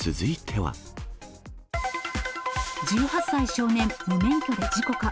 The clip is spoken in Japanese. １８歳少年、無免許で事故か。